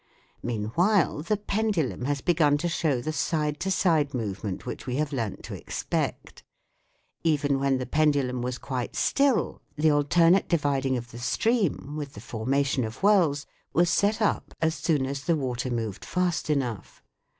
Meanwhile the pendulum has begun to show the side to side movement which we have learnt to expect. Even when the pendulum was quite still, the alternate dividing of the stream, with the formation of whirls, was set up as soon as the water moved fast enough.